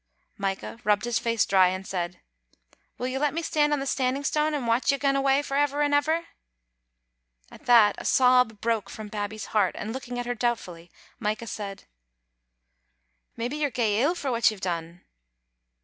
Micah rubbed his face dry, and said, " Will you let me stand on the Standing Stane and watch you gaen awa for ever and ever?" At that a sob broke from Babbie's heart, and looking at her doubtfully Micah said —" Maybe you're gey ill for what you've done?"